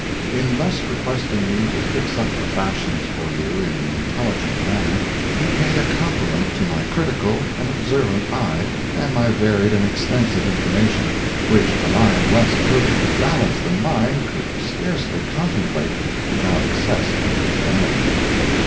In thus requesting me to fix up the fashions for you in an intelligent manner, you pay a compliment to my critical and observant eye and my varied and extensive information, which a mind less perfectly balanced than mine could scarcely contemplate without excess of vanity.